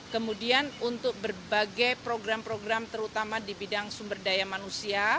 kemudian untuk berbagai program program terutama di bidang sumber daya manusia